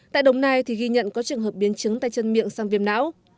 tại đồng nai thì ghi nhận có trường hợp biến chứng tay chân miệng sang viêm não